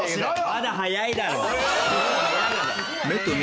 まだ早いだろ！